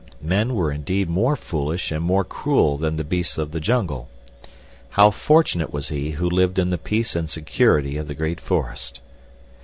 Men were indeed more foolish and more cruel than the beasts of the jungle! How fortunate was he who lived in the peace and security of the great forest!